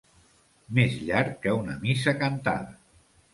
Més llarg que una missa cantada.